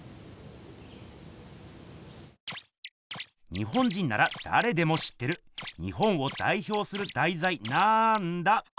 日本人ならだれでも知ってる日本をだいひょうするだいざいなんだ？